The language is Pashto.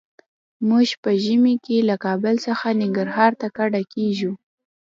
موږ په ژمي کې له کابل څخه ننګرهار ته کډه کيږو.